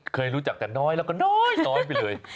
เคยรู้จักแต่น้อยแล้วก็น้อยไปเลย